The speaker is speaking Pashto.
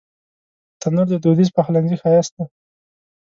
تنور د دودیز پخلنځي ښایست دی